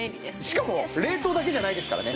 しかも冷凍だけじゃないですからね。